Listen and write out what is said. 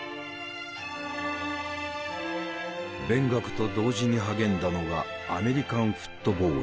勉学と同時に励んだのがアメリカンフットボール。